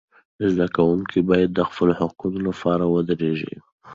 زده کوونکي باید د خپلو حقوقو لپاره ودریږي.